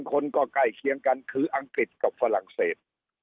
คนก็ใกล้เคียงกันคืออังกฤษกับฝรั่งเศส